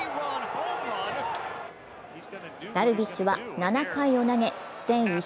ダルビッシュは７回を投げ、失点１。